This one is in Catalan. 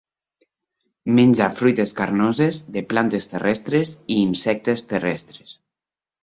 Menja fruites carnoses de plantes terrestres i insectes terrestres.